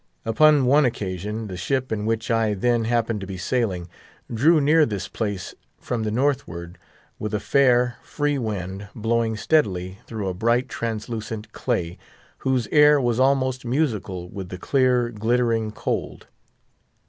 Upon one occasion, the ship in which I then happened to be sailing drew near this place from the northward, with a fair, free wind, blowing steadily, through a bright translucent clay, whose air was almost musical with the clear, glittering cold.